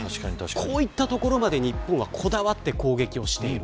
こういったところまで日本はこだわって攻撃している。